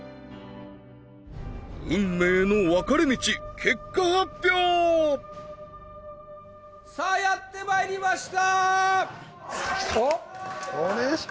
運命の分かれ道さあやってまいりました